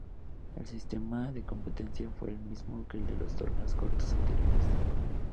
El sistema de competencia fue el mismo que el de los torneos cortos anteriores.